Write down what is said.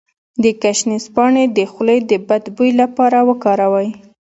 د ګشنیز پاڼې د خولې د بد بوی لپاره وکاروئ